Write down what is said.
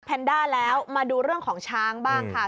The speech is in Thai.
แนนด้าแล้วมาดูเรื่องของช้างบ้างค่ะ